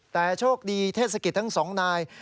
แต่โชคดีเทศกิจทั้งสองนาย